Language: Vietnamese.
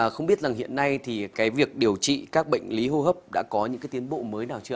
không biết hiện nay việc điều trị các bệnh lý hô hấp đã có những tiến bộ mới nào chưa